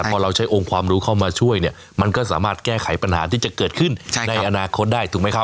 พอเราใช้องค์ความรู้เข้ามาช่วยเนี่ยมันก็สามารถแก้ไขปัญหาที่จะเกิดขึ้นในอนาคตได้ถูกไหมครับ